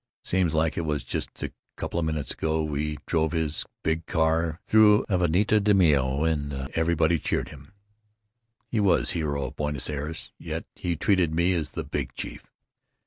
Seems like it was just couple minutes ago we drove in his big car through Avenida de Mayo and everybody cheered him, he was hero of Buenos Aires, yet he treated me as the Big Chief.